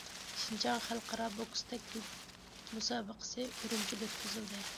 شىنجاڭ خەلقئارا بوكس تەكلىپ مۇسابىقىسى ئۈرۈمچىدە ئۆتكۈزۈلدى.